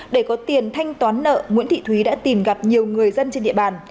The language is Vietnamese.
để có tiền thanh toán nợ nguyễn thị thúy đã tìm gặp nhiều người dân trên địa bàn